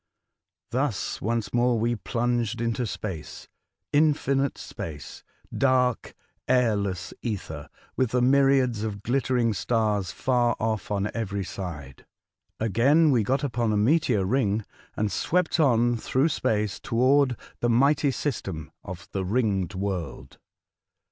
Thus once more we plunged into space — infinite space, — dark^ airless ether, with the myriads of glittering stars far off on every side. Again we got upon a meteor ring, and swept on through space toward the mighty system of the Ringed World.